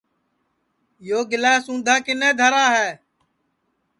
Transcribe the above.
یو گَِلاس اُندھا کِنے دھرا ہے